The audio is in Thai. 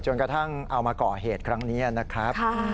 กระทั่งเอามาก่อเหตุครั้งนี้นะครับ